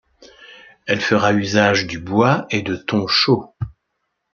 Elle fera usage du bois et de tons chauds.